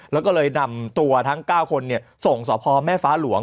แล้วก็เลยนำตัวทั้ง๙คนส่งสพแม่ฟ้าหลวง